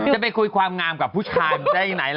จะไปคุยความงามกับผู้ชาย